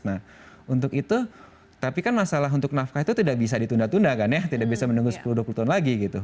nah untuk itu tapi kan masalah untuk nafkah itu tidak bisa ditunda tunda kan ya tidak bisa menunggu sepuluh dua puluh tahun lagi gitu